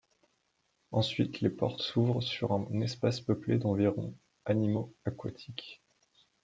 Ensuite, les portes s’ouvrent sur un espace peuplé d’environ animaux aquatiques.